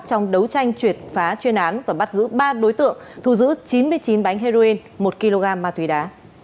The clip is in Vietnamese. trong đấu tranh triệt phá chuyên án và bắt giữ ba đối tượng thu giữ chín mươi chín bánh heroin một kg ma túy đá